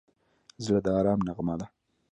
زړه د ارام نغمه ده.